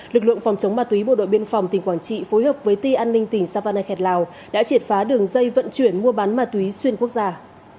lực lượng phòng chống ma túy bộ đội biên phòng tỉnh quảng trị phối hợp với ti an ninh tỉnh savanakhet lào đã triệt phá đường dây vận chuyển mua bán ma túy xuyên quốc gia